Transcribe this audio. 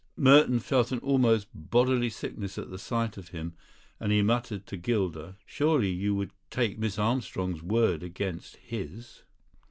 Merton felt an almost bodily sickness at the sight of him; and he muttered to Gilder: "Surely you would take Miss Armstrong's word against his?"